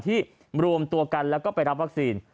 รวมตัวกันแล้วก็ไปรับวัคซีน